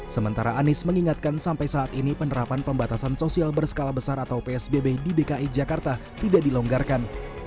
sementara anies mengingatkan sampai saat ini penerapan pembatasan sosial berskala besar atau psbb di dki jakarta tidak dilonggarkan